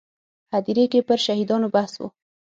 هدیرې کې پر شهیدانو بحث و.